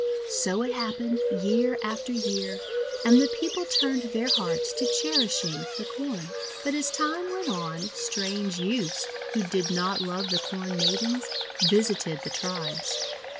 So it happened year after year, and the People turned their hearts to cherishing the Corn. But as time went on, strange youths, who did not love the Corn Maidens, visited the tribes.